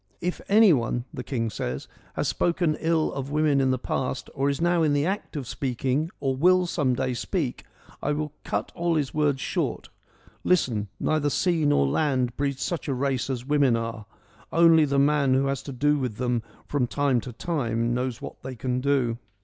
' If any one,' the king says, ' has spoken ill of women in the past, or is now in the act of speaking or will some day speak, I will cut all his words short — listen — Neither sea nor land breeds such a race as women are : only the man who has to do with them from time to time knows what they can do.'